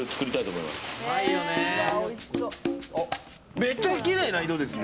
めっちゃきれいな色ですね！